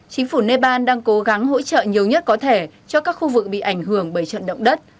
chính phủ nepal đang cố gắng hỗ trợ nhiều nhất có thể cho các khu vực bị ảnh hưởng bởi trận động đất